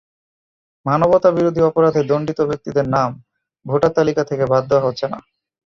মানবতাবিরোধী অপরাধে দণ্ডিত ব্যক্তিদের নাম ভোটার তালিকা থেকে বাদ দেওয়া হচ্ছে না।